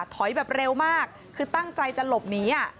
ถอยแบบเร็วมากคือตั้งใจจะหลบหนี